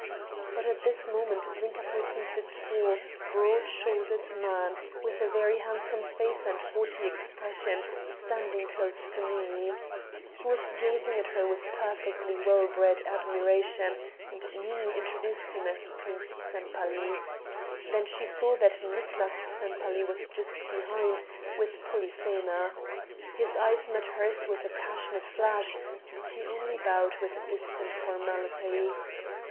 But at this moment Zinka perceived a tall, broad shouldered man, with a very handsome face and haughty expression, standing close to Nini. He was gazing at her with perfectly well bred admiration, and Nini introduced him as Prince Sempaly. Then she saw that Nicklas Sempaly was just behind, with Polyxena. His eyes met hers with a passionate flash, but he only bowed with distant formality.